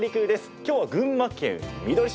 今日は、群馬県みどり市。